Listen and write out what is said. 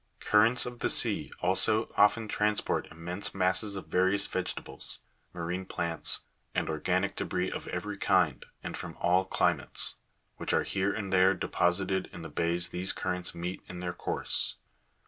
29. Currents of the sea also often transport immense masses of various vegetables, marine plants, and organic debris of every kind, and from all climates, which are here and there deposited in the bays these currents meet in their course.